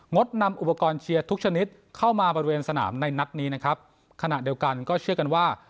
ดนำอุปกรณ์เชียร์ทุกชนิดเข้ามาบริเวณสนามในนัดนี้นะครับขณะเดียวกันก็เชื่อกันว่า